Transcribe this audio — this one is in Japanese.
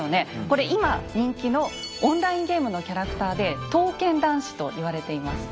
これ今人気のオンラインゲームのキャラクターで「刀剣男士」と言われています。